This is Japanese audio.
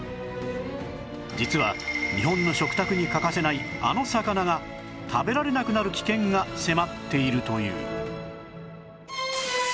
実は日本の食卓に欠かせないあの魚が食べられなくなる危険が迫っているという